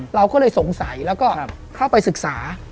เราก็เลยสงสัยแล้วก็เข้าไปศึกษา